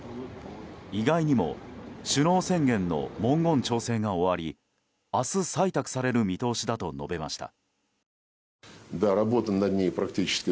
意外にも首脳宣言の文言調整が終わり明日、採択される見通しだと述べました。